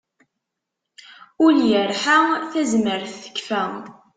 Ul irḥa tazmert tekfa.